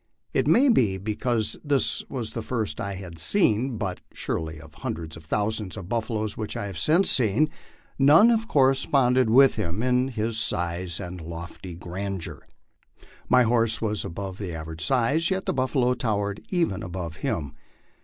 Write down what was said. It may be because this was the first I had seen, but surely of the hundreds of thousands of buffaloes which I have since seen, none have corresponded with him in size and lofty grandeur. My horse was above the average size, yet the buffalo towered even above him.